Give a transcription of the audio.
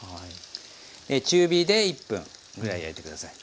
中火で１分ぐらい焼いて下さい。